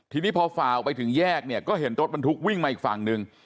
ทีนี้พอฝ่าไปถึงแยกเนี่ยก็เห็นรถบรรทุกวิ่งมาอีกฝั่งหนึ่ง